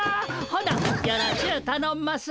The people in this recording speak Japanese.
ほなよろしゅうたのんます。